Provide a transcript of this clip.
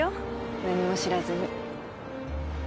何も知らずに。